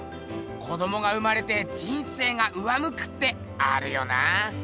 子どもが生まれて人生が上むくってあるよな。